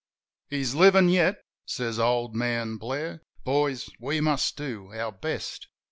"He's livin' yet" says old man Blair. "Boys, we must do our best.